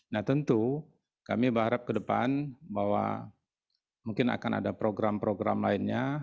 nah tentu kami berharap ke depan bahwa mungkin akan ada program program lainnya